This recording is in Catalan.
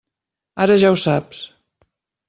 Ara ja ho saps.